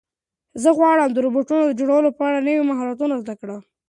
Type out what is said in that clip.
زه غواړم د روبوټونو د جوړولو په اړه نوي مهارتونه زده کړم.